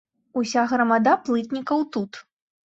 Уся грамада плытнікаў тут.